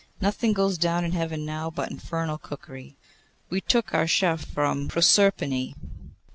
Nothing goes down in Heaven now but infernal cookery. We took our chef from Proserpine.